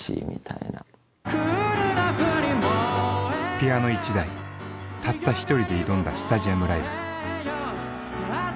ピアノ１台たった１人で挑んだスタジアムライブ。